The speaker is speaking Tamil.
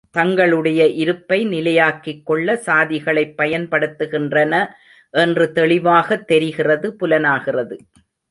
தங்களுடைய இருப்பை நிலையாக்கிக் கொள்ள சாதிகளைப் பயன்படுத்துகின்றன என்று தெளிவாகத் தெரிகிறது புலனாகிறது.